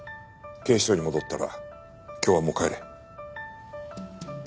警視庁に戻ったら今日はもう帰れ。